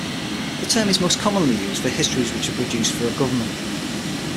The term is most commonly used for histories which are produced for a government.